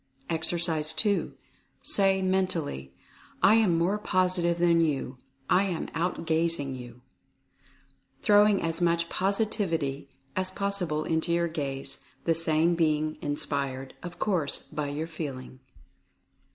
Exercise 2. Say mentally, "I am more Positive than you — I am outgazing you," throwing as much positivity as possible into your gaze, the same being inspired, of course, by your Feeling.